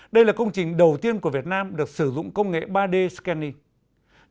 đây là công trình đầu tiên của việt nam được sử dụng công nghệ ba d scanning